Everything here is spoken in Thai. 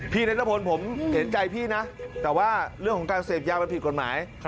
นัทพลผมเห็นใจพี่นะแต่ว่าเรื่องของการเสพยามันผิดกฎหมาย